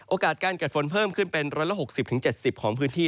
โอกาสการเกิดฝนเพิ่มขึ้นเป็น๑๖๐๗๐ของพื้นที่